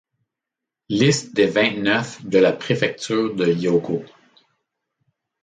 Liste des vingt-neuf de la préfecture de Hyōgo.